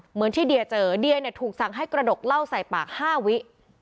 เหมือนที่เดียเจอเดียเนี่ยถูกสั่งให้กระดกเหล้าใส่ปาก๕วิ